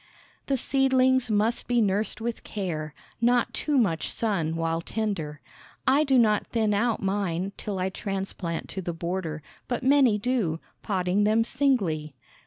The seedlings must be nursed with care, not too much sun while tender. I do not thin out mine till I transplant to the border, but many do, potting them singly.